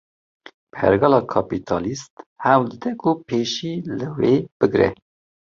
Pergala Kapîtalîst, hewl dide ku pêşî li vê bigre